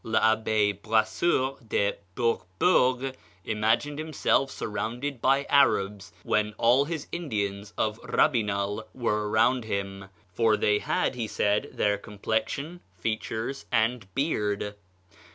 L'Abbé Brasseur de Bourbourg imagined himself surrounded by Arabs when all his Indians of Rabinal were around him; for they had, he said, their complexion, features, and beard.